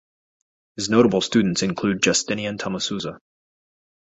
His notable students include Justinian Tamusuza.